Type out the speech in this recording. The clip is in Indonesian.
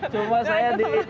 sebenarnya saya tidak ikut lari